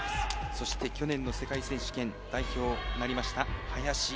そして、去年の世界選手権代表になりました林。